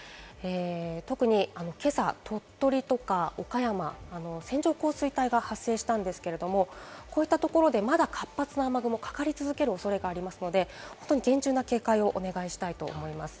特に今朝、鳥取とか岡山、線状降水帯が発生したんですけれども、こういったところで、まだ活発な雨雲がかかり続ける恐れがありますので厳重な警戒をお願いします。